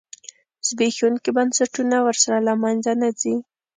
زبېښونکي بنسټونه ورسره له منځه نه ځي.